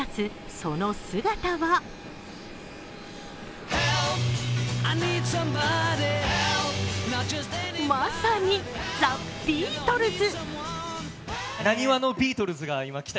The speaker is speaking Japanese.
その姿はまさにザ・ビートルズ。